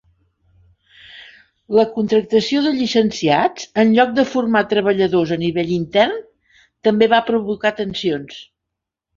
La contractació de llicenciats en lloc de formar treballadors a nivell intern també va provocar tensions.